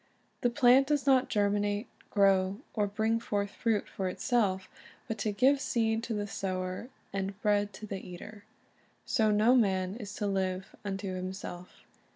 The plant does not germinate, grow, or bring forth fruit for itself, but to "give seed to the sower, and bread to the eater. "^ So no man is to live unto himself.